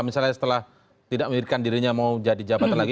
misalnya setelah tidak mengirikan dirinya mau jadi jabatan lagi